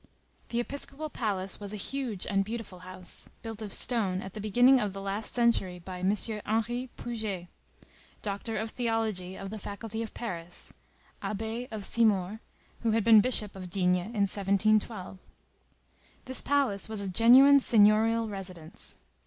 The episcopal palace was a huge and beautiful house, built of stone at the beginning of the last century by M. Henri Puget, Doctor of Theology of the Faculty of Paris, Abbé of Simore, who had been Bishop of D—— in 1712. This palace was a genuine seignorial residence.